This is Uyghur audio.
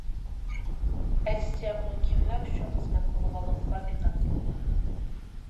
ئەكسىچە ئۇنىڭ كىملەر ئۈچۈن خىزمەت قىلىدىغانلىقىغا دىققەت قىلىڭلار.